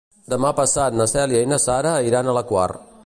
Demà passat na Cèlia i na Sara iran a la Quar.